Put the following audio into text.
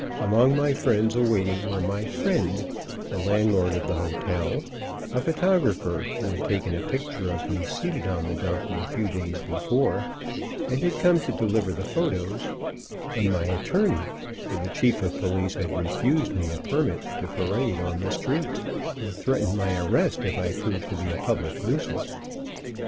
Among my friends awaiting were my "friend," the landlord of the hotel, a photographer who had taken a picture of me seated on the donkey a few days before, and had come to deliver the photos; and my attorney, for the Chief of Police had refused me a permit to parade on the streets, and threatened my arrest if I proved to be a public nuisance.